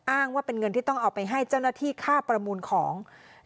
อ้างว่าเป็นเงินที่ต้องเอาไปให้เจ้าหน้าที่ค่าประมูลของ